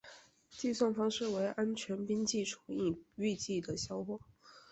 计算方式为安全边际除以预计的销货。